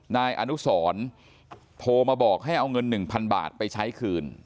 นายอนุสรโทรมาบอกให้เอาเงิน๑๐๐๐บาทไปใช้คืน